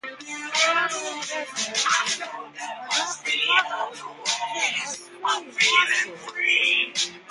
Permanent residents are not entitled to an Australian passport.